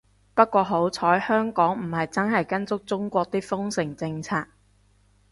不過好彩香港唔係真係跟足中國啲封城政策